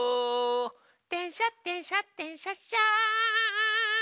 「でんしゃでんしゃでんしゃっしゃ」